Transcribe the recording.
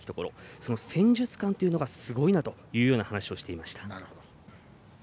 その戦術勘というのがすごいなという話をしていました。